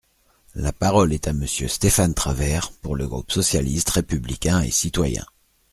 La parole est à Monsieur Stéphane Travert, pour le groupe socialiste, républicain et citoyen.